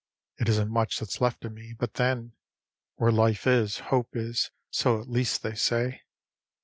It isn't much that's left of me, but then Where life is, hope is, so at least they say.